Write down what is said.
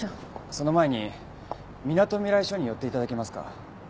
その前にみなとみらい署に寄って頂けますか？